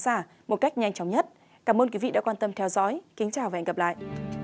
cảm ơn các bạn đã theo dõi và hẹn gặp lại